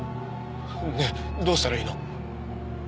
ねえどうしたらいいの？